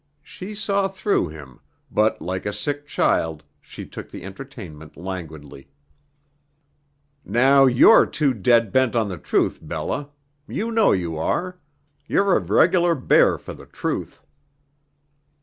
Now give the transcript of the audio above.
She saw through him, but like a sick child she took the entertainment languidly. "Now, you're too dead bent on the truth, Bella. You know you are. You're a regular bear for the truth."